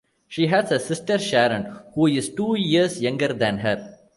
She has a sister, Sharon, who is two years younger than her.